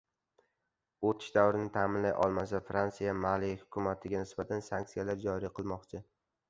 O‘tish davrini ta’minlay olmasa, Fransiya Mali hukumatiga nisbatan sanksiyalar joriy qilmoqchi